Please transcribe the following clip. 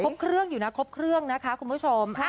ครบเครื่องอยู่นะครบเครื่องนะคะคุณผู้ชม